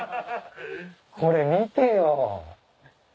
これ見てよ。